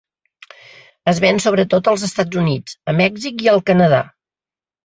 Es ven sobretot als Estats Units, a Mèxic i al Canadà.